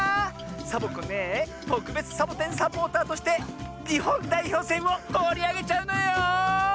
サボ子ねえとくべつサボテンサポーターとしてにほんだいひょうせんをもりあげちゃうのよ！